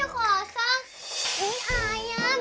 ya kok airnya kosong